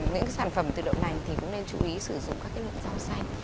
những cái sản phẩm từ đậu nành thì cũng nên chú ý sử dụng các cái lượng rau xanh